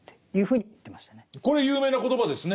これ有名な言葉ですね。